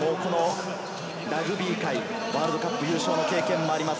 ラグビー界、ワールドカップ優勝の経験もあります。